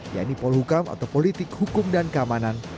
yaitu pol hukam atau politik hukum dan keamanan